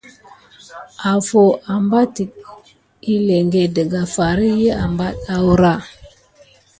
Afu abatik yelinke daka far ki apat aoura.